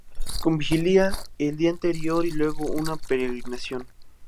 Con vigilia el día anterior y luego una peregrinación.